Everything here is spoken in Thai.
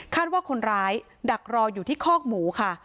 ว่าคนร้ายดักรออยู่ที่คอกหมูค่ะ